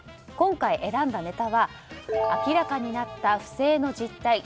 今回選んだネタは明らかになった不正の実態